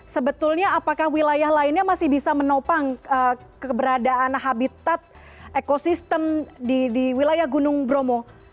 sebetulnya apakah wilayah lainnya masih bisa menopang keberadaan habitat ekosistem di wilayah gunung bromo